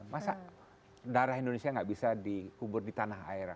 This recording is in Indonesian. masa darah indonesia nggak bisa dikubur di tanah air